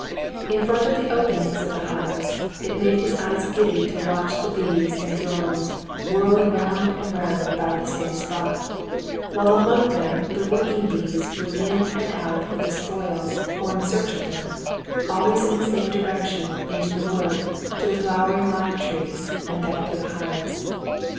In front of the openings of the hives, it made his eyes giddy to watch the bees and drones whirling round and round about the same spot, while among them the working bees flew in and out with spoils or in search of them, always in the same direction into the wood to the flowering lime trees and back to the hives.